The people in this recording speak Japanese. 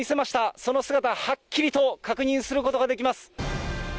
その姿、はっきりと確認することができます。